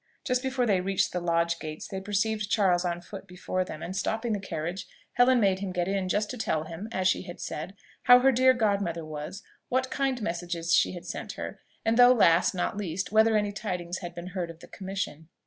Just before they reached the lodge gates, they perceived Charles on foot before them; and stopping the carriage, Helen made him get in, just to tell them, as she said, how her dear godmother was, what kind messages she had sent her, and though last, not least, whether any tidings had been heard of the commission.